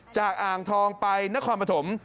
จากอ่างทองไปณความประถม